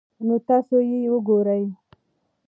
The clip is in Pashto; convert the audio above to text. نو تاسي ئې وګورئ